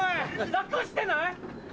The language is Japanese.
楽してない？